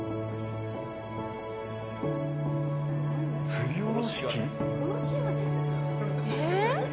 すりおろし器？